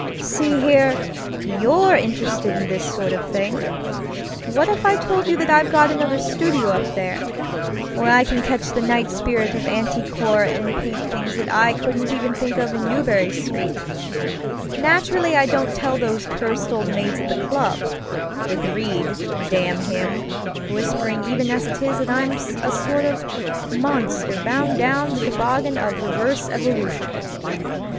"See here, you're interested in this sort of thing. What if I told you that I've got another studio up there, where I can catch the night spirit of antique horror and paint things that I couldn't even think of in Marlborough Street? Naturally I don't tell those cursed old maids at the clubŌĆöwith Reid, damn him, whispering even as it is that I'm a sort of monster bound down the toboggan of reverse evolution.